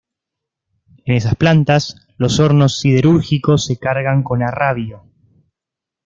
En esas plantas, los hornos siderúrgicos se cargan con arrabio.